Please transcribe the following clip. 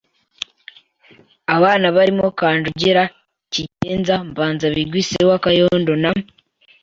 abana barimo Kanjogera, Cyigenza, Mbanzabigwi se wa Kayondo na